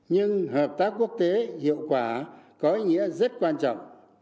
nhưng hợp tác quốc tế hiệu quả có ý nghĩa rất quan trọng